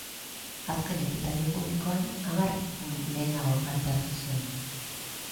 Azken ekitaldi publikoan hamar egun lehenago parte hartu zuen.